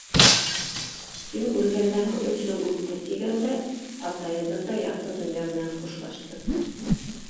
Һин үлгәндән һуң өс йыл үтте тигәндә атайыбыҙ ҙа яҡты донъя менән хушлашты.